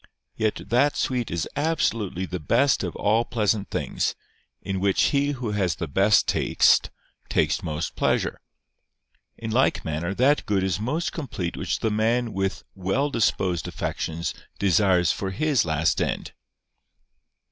Yet that sweet is absolutely the best of all pleasant things, in which he who has the best taste takes most pleasure. In like manner that good is most complete which the man with well disposed affections desires for his last end.